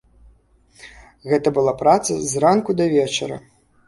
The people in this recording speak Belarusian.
Гэта была праца з ранку да вечара.